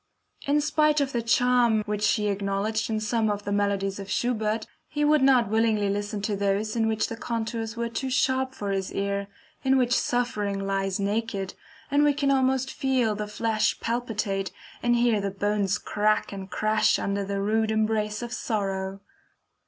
In spite of the charm which he acknowledged in some of the melodies of Schubert, he would not willingly listen to those in which the contours were too sharp for his ear, in which suffering lies naked, and we can almost feel the flesh palpitate, and hear the bones crack and crash under the rude embrace of sorrow.